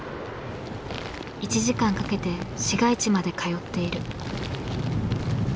１時間かけて市街地まで通っている。